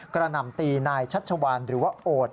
หน่ำตีนายชัชวานหรือว่าโอด